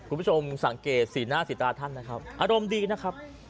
คุณผู้ชมสังเกตสีหน้าสีตาท่านนะครับอารมณ์ดีนะครับ